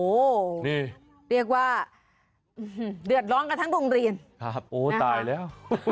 โอ้โหนี่เรียกว่าเดือดร้อนกันทั้งโรงเรียนครับโอ้ตายแล้ว